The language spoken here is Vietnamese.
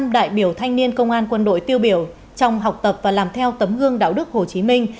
năm đại biểu thanh niên công an quân đội tiêu biểu trong học tập và làm theo tấm gương đạo đức hồ chí minh